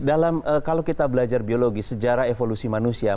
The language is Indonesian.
dalam kalau kita belajar biologis sejarah evolusi manusia